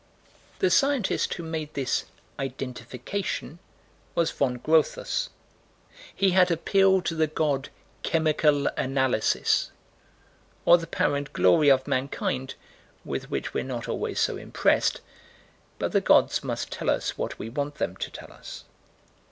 The scientist who made this "identification" was Von Grotthus. He had appealed to the god Chemical Analysis. Or the power and glory of mankind with which we're not always so impressed but the gods must tell us what we want them to tell us.